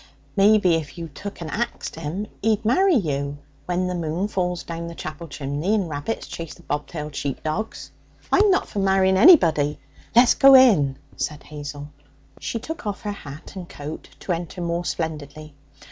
'Maybe if you took an axed him, he'd marry you when the moon falls down the chapel chimney and rabbits chase the bobtailed sheep dog!' 'I'm not for marrying anybody. Let's go in,' said Hazel. She took off her hat and coat, to enter more splendidly.